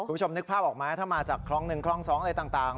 คุณผู้ชมนึกภาพออกไหมถ้ามาจากคล้องหนึ่งคล้องสองอะไรต่าง